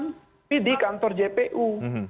tapi di kantor jpu